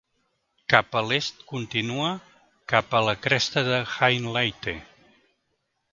Cap a l'est continua cap a la cresta de Hainleite.